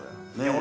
俺。